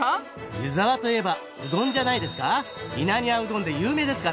湯沢といえばうどんじゃないですか？